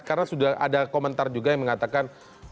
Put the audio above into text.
karena sudah ada komentar juga yang mengatakan